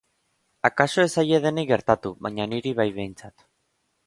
Akaso ez zaie denei gertatu baina niri bai behintzat.